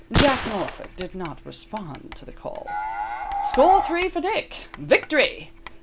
Jack Norfolk did not respond to the call. Score three for Dick. Victory!